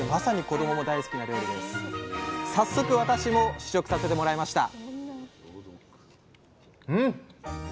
早速私も試食させてもらいました！